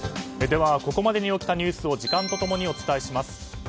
ではここまでに起きたニュースを時間と共にお伝えします。